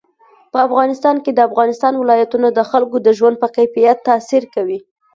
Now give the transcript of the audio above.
په افغانستان کې د افغانستان ولايتونه د خلکو د ژوند په کیفیت تاثیر کوي.